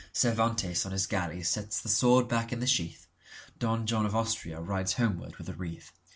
Cervantes on his galley sets the sword back in the sheath(Don John of Austria rides homeward with a wreath.)